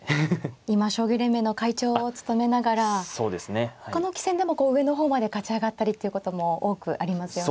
今将棋連盟の会長を務めながらほかの棋戦でも上の方まで勝ち上がったりっていうことも多くありますよね。